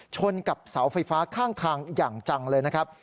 ชนกับเสาไฟฟ้าข้างทางอย่างจังเลยนะครับ